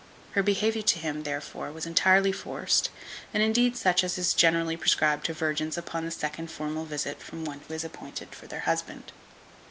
Her behaviour to him, therefore, was entirely forced, and indeed such as is generally prescribed to virgins upon the second formal visit from one who is appointed for their husband.